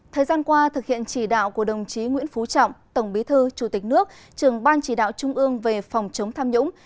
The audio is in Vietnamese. thời gian qua thực hiện chỉ đạo của đồng chí nguyễn phú trọng tổng bí thư chủ tịch nước trường ban chỉ đạo trung ương về phòng chống tham nhũng